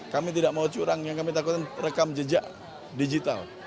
kami tidak mau curang yang kami takutkan rekam jejak digital